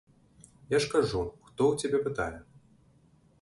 Я ж кажу, хто ў цябе пытае?